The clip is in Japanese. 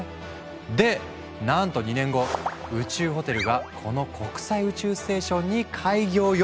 でなんと２年後宇宙ホテルがこの国際宇宙ステーションに開業予定！